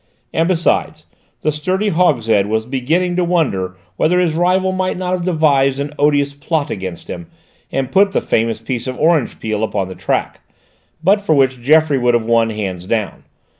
And besides, the sturdy Hogshead was beginning to wonder whether his rival might not have devised an odious plot against him and put the famous piece of orange peel upon the track, but for which Geoffroy would have won hands down.